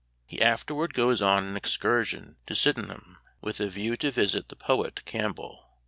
He afterward goes on an excursion to Syden ham, with a view to visit the poet Campbell.